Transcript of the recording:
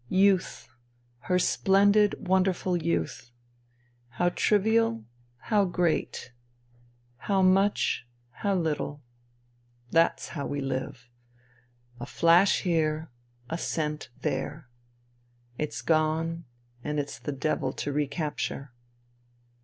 ... Youth ! Her splendid, wonderful youth. How trivial, how great. How much, how little. INTERVENING IN SIBERIA 207 That's how we Hve. A flash here ; a scent there. It's gone, and it's the devil to recapture.